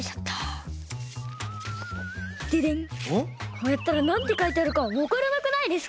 こうやったらなんてかいてあるかわからなくないですか？